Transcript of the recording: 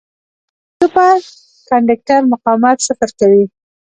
د سوپر کنډکټر مقاومت صفر کوي.